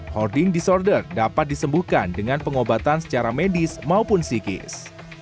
hoarding disorder dapat disembuhkan dengan pengobatan secara medis maupun psikis